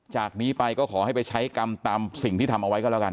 จากนี้ไปก็ขอให้ไปใช้กรรมตามสิ่งที่ทำเอาไว้ก็แล้วกัน